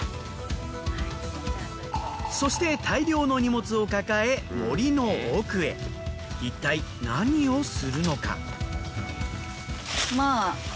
そして大量の荷物を抱えいったい何をするのか。